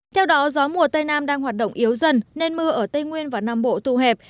theo đó gió mùa tây nam đang hoạt động yếu dần nên mưa ở tây nguyên và nam bộ tù hẹp